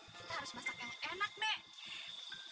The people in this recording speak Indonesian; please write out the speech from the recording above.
kita harus masak yang enak deh